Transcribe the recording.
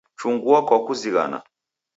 Chungua kwa kuzighana.